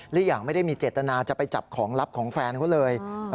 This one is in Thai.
หรืออย่างไม่ได้มีเจตนาจะไปจับของลับของแฟนเขาเลย